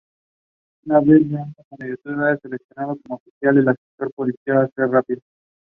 The Jameh Mosque of Yazd has an ellipsoidal dome.